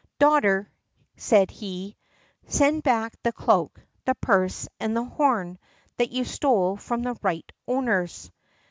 "Daughter," said he, "send back the cloak, the purse, and the horn, that you stole from the right owners."